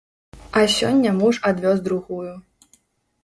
А сёння муж адвёз другую.